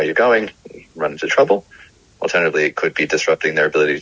sebaliknya itu bisa mengganggu kemampuan mereka untuk berbicara dengan satu sama lain